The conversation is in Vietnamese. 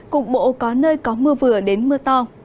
cục bộ có nơi có mưa vừa đến mưa to